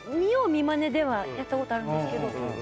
見まねではやったことあるんですけど。